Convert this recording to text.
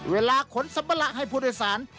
เวลาขนสัมปะละให้ผู้โดยสาร